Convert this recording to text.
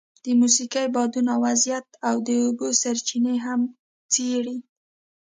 د موسمي بادونو وضعیت او د اوبو سرچینې هم څېړي.